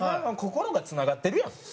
心がつながってるやん。